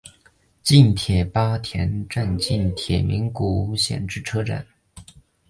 近铁八田站近铁名古屋线之车站。